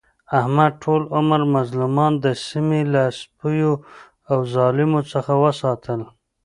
احمد ټول عمر مظلومان د سیمې له سپیو او ظالمانو څخه وساتل.